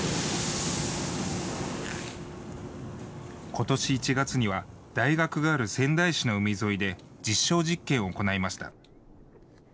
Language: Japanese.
ことし１月には、大学がある仙台市の海沿いで実証実験を行いました。